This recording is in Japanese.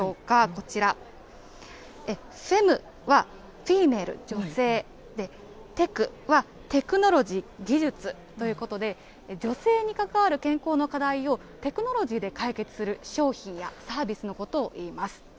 こちら、フェムはフィーメイル、女性、テックは、テクノロジー、技術ということで、女性に関わる健康の課題を、テクノロジーで解決する商品やサービスのことをいいます。